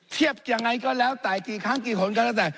เทียบยังไงก็แล้วแต่กี่ครั้งกี่คนก็แล้วแต่